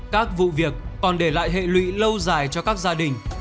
các vụ việc còn để lại hệ lụy lâu dài cho các gia đình